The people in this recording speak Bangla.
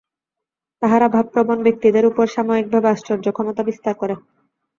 তাহারা ভাবপ্রবণ ব্যক্তিদের উপর সাময়িকভাবে আশ্চর্য ক্ষমতা বিস্তার করে।